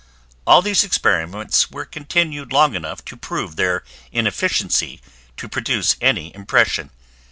All these experiments were continued long enough to prove their inefficiency to produce any impression.